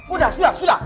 udah sudah sudah